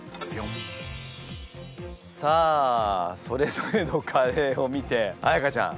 さあそれぞれのカレーを見て彩歌ちゃん